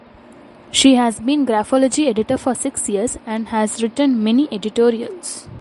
She has been graphology editor for six years and has written many editorials.